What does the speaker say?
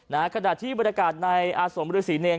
นะฮะขณะที่บริการในอาสวมรือศรีเนยน